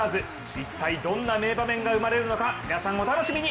一体どんな名場面が生まれるのか皆さん、お楽しみに。